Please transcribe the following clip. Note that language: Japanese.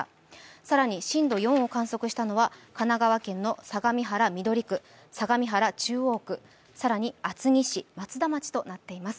更に震度４を観測したのは神奈川県の相模原緑区、相模原中央区、さらに厚木市、松田町となっています。